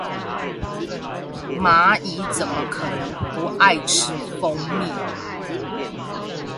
螞蟻怎麼可能不愛吃蜂蜜